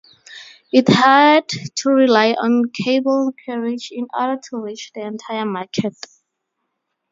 It had to rely on cable carriage in order to reach the entire market.